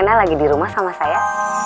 tidak ada yang mau main sama saya